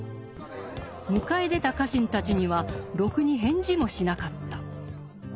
迎え出た家臣たちにはろくに返事もしなかった。